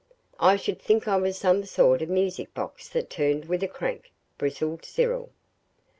"I should think I was some sort of music box that turned with a crank," bristled Cyril.